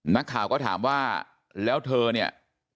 นักข่าวก็ถามว่าแล้วเธอเนี่ย